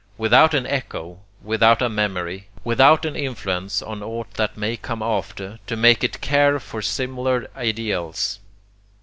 Without an echo; without a memory; without an influence on aught that may come after, to make it care for similar ideals.